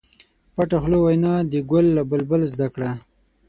پټه خوله وینا د ګل له بلبل زده کړه.